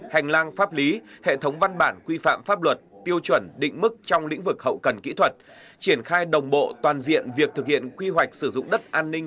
hành lang pháp lý hệ thống văn bản quy phạm pháp luật tiêu chuẩn định mức trong lĩnh vực hậu cần kỹ thuật triển khai đồng bộ toàn diện việc thực hiện quy hoạch sử dụng đất an ninh